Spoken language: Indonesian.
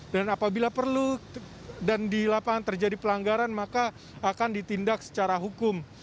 dan apabila perlu dan di lapangan terjadi pelanggaran maka akan ditindak secara hukum